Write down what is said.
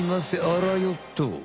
あらよっと！